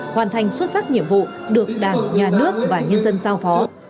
hoàn thành xuất sắc nhiệm vụ được đảng nhà nước và nhân dân giao phó